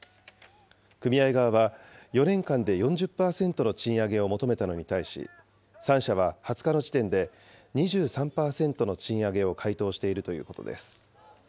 組合側は、４年間で４０％の賃上げを求めたのに対し、３社は２０日の時点で、２３％の賃上げを回答しているということです。